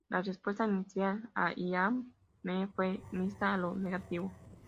La respuesta inicial a I Am Me fue mixta a lo negativo.